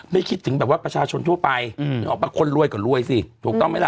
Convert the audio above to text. ไม่คิดถึงแบบว่าประชาชนทั่วไปนึกออกปะคนรวยก็รวยสิถูกต้องไหมล่ะ